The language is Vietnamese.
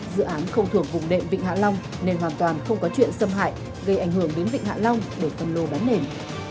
dự án không thuộc vùng đệm vịnh hạ long nên hoàn toàn không có chuyện xâm hại gây ảnh hưởng đến vịnh hạ long để phân lô bán nền